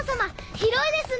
広いですね！